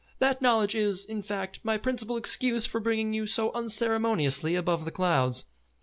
That knowledge is, in fact, my principal excuse for bringing you so unceremoniously above the clouds."